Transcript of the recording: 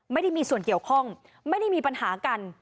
ไม่ได้มีส่วนเกี่ยวข้องไม่ได้มีปัญหากัน